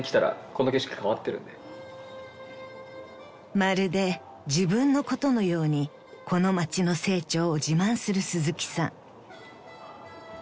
［まるで自分のことのようにこの町の成長を自慢する鈴木さん］